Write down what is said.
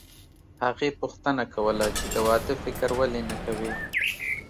هغې پوښتنه کوله چې د واده فکر ولې نه کوې